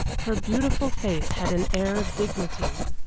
Her beautiful face had an air of dignity.